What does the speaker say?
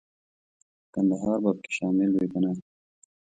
کندهار به پکې شامل وي کنه.